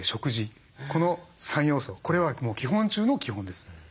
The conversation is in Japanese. この３要素これは基本中の基本です。